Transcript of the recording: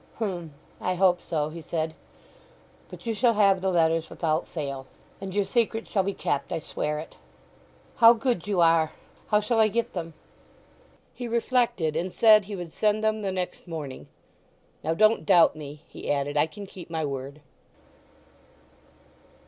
"H'm—I hope so," he said. "But you shall have the letters without fail. And your secret shall be kept. I swear it." "How good you are!—how shall I get them?" He reflected, and said he would send them the next morning. "Now don't doubt me," he added. "I can keep my word."